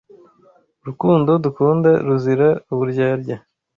urukundo dukunda ruzira uburyarya